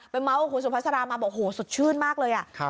ไปเมาส์คุณสุพัสรามาบอกโหสดชื่นมากเลยอ่ะ